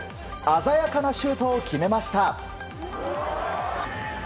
鮮やかなシュートを決めました。